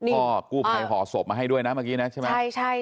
พ่อกู้ภัยห่อศพมาให้ด้วยนะเมื่อกี้นะใช่ไหม